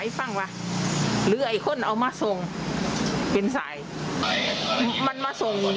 ยังไม่ได้ขายได้เงินสักบาทเลย